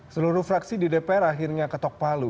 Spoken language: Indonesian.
seluruh fraksi di dpr akhirnya ketok palu